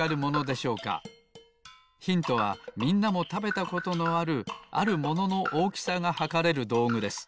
ヒントはみんなもたべたことのあるあるもののおおきさがはかれるどうぐです。